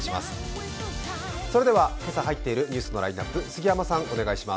それでは今朝入っているニュースのラインナップ、杉山さん。